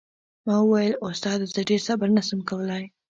ما وويل استاده زه ډېر صبر نه سم کولاى.